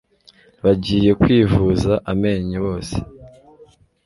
bagiye kwivuza amenyo bose